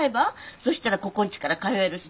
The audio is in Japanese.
そしたらここんちから通えるし。